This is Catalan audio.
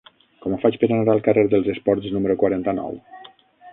Com ho faig per anar al carrer dels Esports número quaranta-nou?